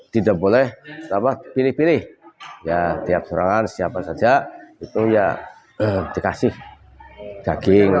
tidak boleh pilih pilih ya tiap serangan siapa saja itu ya dikasih daging